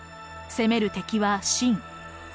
攻める敵は秦。